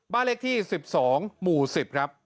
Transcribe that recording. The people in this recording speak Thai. บ้านเลขที่๑๒หมู่๑๐ครับ